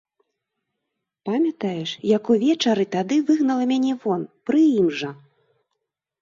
Памятаеш, як увечары тады выгнала мяне вон, пры ім жа?